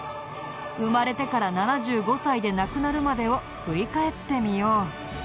生まれてから７５歳で亡くなるまでを振り返ってみよう。